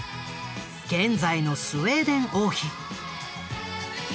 現在のスウェーデン王妃。